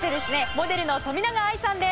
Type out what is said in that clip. モデルの冨永愛さんです。